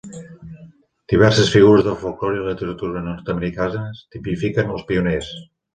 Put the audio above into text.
Diverses figures del folklore i la literatura nord-americanes tipifiquen els pioners.